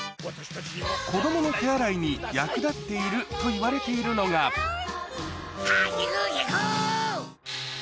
子供の手洗いに役立っているといわれているのがハヒフヘホ！